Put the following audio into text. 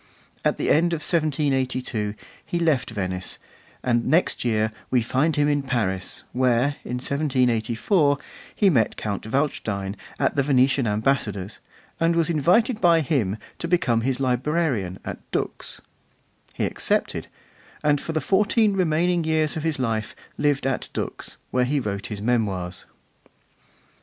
At the end of 1782 he left Venice; and next year we find him in Paris, where, in 1784, he met Count Waldstein at the Venetian Ambassador's, and was invited by him to become his librarian at Dux. He accepted, and for the fourteen remaining years of his life lived at Dux, where he wrote his Memoirs.